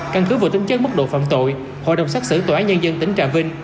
căn cứ vô tính chất mức độ phạm tội hội đồng xác xử tòa án nhân dân tỉnh trà vinh